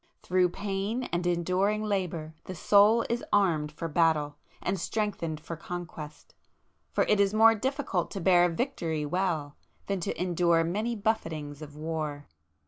Through pain and enduring labour the soul is armed for battle, and strengthened for conquest. For it is more difficult to bear a victory well, than to endure many buffetings of war!